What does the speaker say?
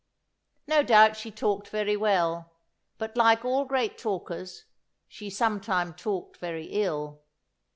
No doubt, she talked very well; but like all great talkers, she sometimes talked very ill.